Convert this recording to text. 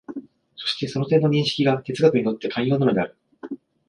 そしてその点の認識が哲学にとって肝要なのである。